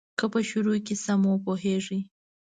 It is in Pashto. که په شروع یې سم وپوهیږې.